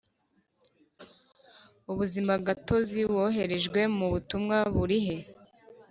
ubuzimagatozi woherejwe mu butumwa burihe